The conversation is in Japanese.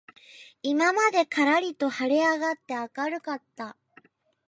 今までからりと晴はれ上あがって明あかるかった